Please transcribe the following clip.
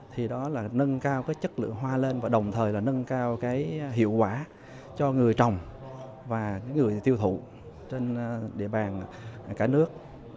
thì đó là nâng cao cái chất lượng hoa lên và đồng thời là nâng cao cái hiệu quả cho người trồng và những người tiêu thụ trên địa bàn cả nước